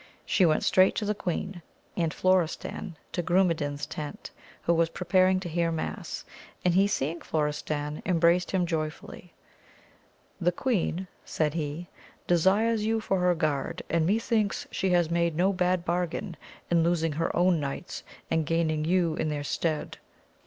She went straight to the queen, and Florestan to Gru medan's tent, who was preparing to hear mass, and he seeing Florestan embraced him joyfully. The queen, said he, desires you for her guard, and methinks she has made no bad bargain in losing her own knights and gaining you in their stead.